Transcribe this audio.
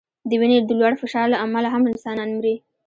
د وینې د لوړ فشار له امله هم انسانان مري.